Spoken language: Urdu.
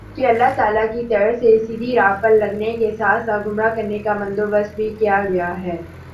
کہ اللہ تعالیٰ کی طرف سے سیدھی راہ پر لگانے کے ساتھ ساتھ گمراہ کرنے کا بندوبست بھی کیا گیا ہے